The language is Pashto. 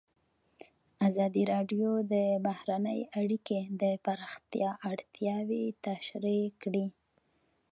ازادي راډیو د بهرنۍ اړیکې د پراختیا اړتیاوې تشریح کړي.